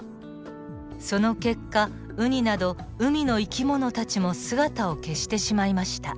その結果ウニなど海の生き物たちも姿を消してしまいました。